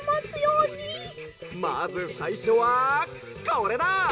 「まずさいしょはこれだ！